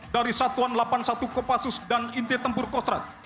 dari satuan delapan puluh satu kopassus dan inti tempur kostrad